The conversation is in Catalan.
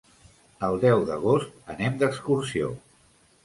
El deu d'agost anem d'excursió.